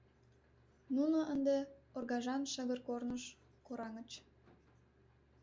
Нуно ынде оргажан шыгыр корныш кораҥыч.